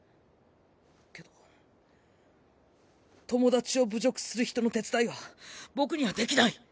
けど友達を侮辱する人の手伝いは僕にはできない。